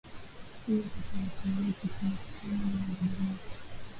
hivyo kati ya Waturuki tunakutana na mabadiliko